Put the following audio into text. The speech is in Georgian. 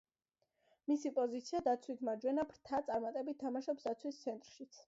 მისი პოზიციაა დაცვის მარჯვენა ფრთა, წარმატებით თამაშობს დაცვის ცენტრშიც.